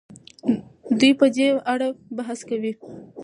دوی په دې اړه بحث کوي.